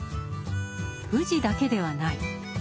富士だけではない。